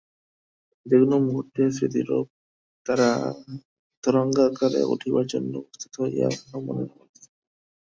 যে-কোন মুহূর্তে স্মৃতিরূপ তরঙ্গাকারে উঠিবার জন্য প্রস্তুত হইয়া উহা মনের মধ্যেই থাকে।